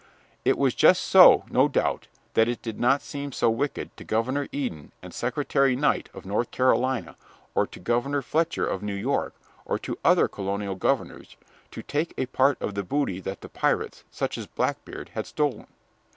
It was just so, no doubt, that it did not seem so wicked to Governor Eden and Secretary Knight of North Carolina, or to Governor Fletcher of New York, or to other colonial governors, to take a part of the booty that the pirates, such as Blackbeard, had stolen.